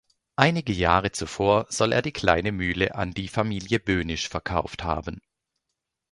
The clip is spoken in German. Einige Jahre zuvor soll er die Kleine Mühle an die Familie Bönisch verkauft haben.